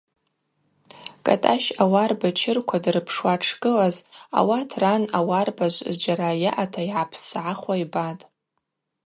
Кӏатӏащ ауарба чырква дырпшуа дшгылаз ауат ран ауарбажв зджьара йаъата йгӏапссгӏахуа йбатӏ.